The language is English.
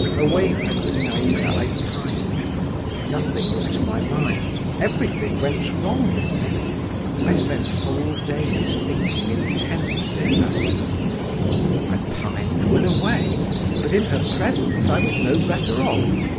Away from Zinaïda I pined; nothing was to my mind; everything went wrong with me; I spent whole days thinking intensely about her … I pined when away,… but in her presence I was no better off.